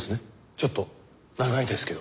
ちょっと長いですけど。